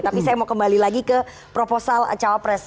tapi saya mau kembali lagi ke proposal cawapres